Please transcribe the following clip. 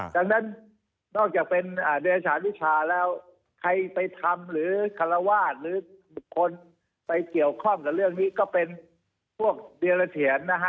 ดังนั้นนอกจากเป็นเดือนสารวิชาแล้วใครไปทำหรือคารวาสหรือบุคคลไปเกี่ยวข้องกับเรื่องนี้ก็เป็นพวกเดรเถียรนะฮะ